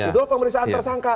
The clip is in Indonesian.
itu pemeriksaan tersangka